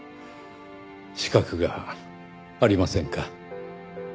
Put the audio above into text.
資格がありませんか。